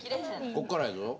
こっからやぞ。